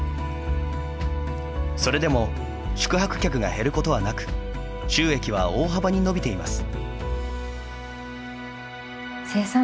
それでも宿泊客が減ることはなく収益は大幅に伸びています。